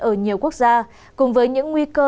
ở nhiều quốc gia cùng với những nguy cơ